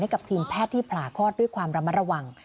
กับทีมแพทย์ที่ผ่าคลอดด้วยความระมัดระวัง